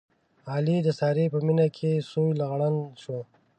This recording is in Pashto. علي د سارې په مینه کې سوی لوغړن شو.